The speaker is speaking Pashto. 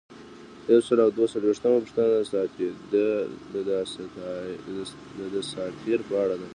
یو سل او دوه څلویښتمه پوښتنه د دساتیر په اړه ده.